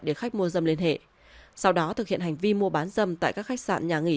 để khách mua dâm liên hệ sau đó thực hiện hành vi mua bán dâm tại các khách sạn nhà nghỉ